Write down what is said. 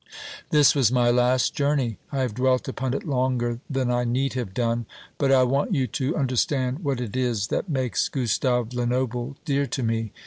This was my last journey. I have dwelt upon it longer than I need have done; but I want you to understand what it is that makes Gustave Lenoble dear to me.